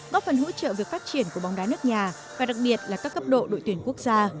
góp phần hỗ trợ việc phát triển của bóng đá nước nhà và đặc biệt là các cấp độ đội tuyển quốc gia